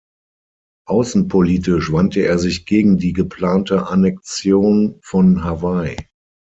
Außenpolitisch wandte er sich gegen die geplante Annexion von Hawaii.